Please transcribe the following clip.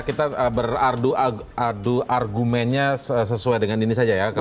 kita berardu ardu argumennya sesuai dengan ini saja ya